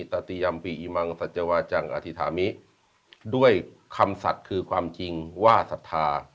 ตติยัมปิอิมังสัจวาจังอธิษฐามิด้วยคำสัตว์คือความจริงว่าศรัทธา